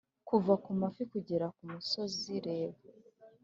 kuva ku mafi kugera kumusozi! reba: